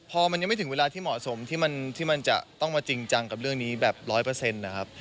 พอมันยังไม่ถึงเวลาที่เหมาะสมที่มันจะต้องมาจริงจังกับเรื่องนี้แบบร้อยเปอร์เซ็นต์นะครับ